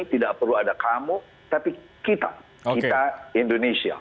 tidak perlu ada kamu tapi kita kita indonesia